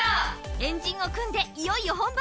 円陣を組んでいよいよ本番。